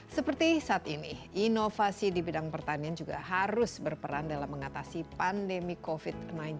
seperti saat ini inovasi di bidang pertanian juga harus berperan dalam mengatasi pandemi covid sembilan belas